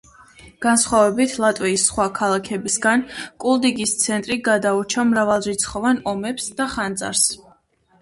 განსხვავებით ლატვიის სხვა ქალაქებისაგან, კულდიგის ცენტრი გადაურჩა მრავალრიცხოვან ომებს და ხანძარს.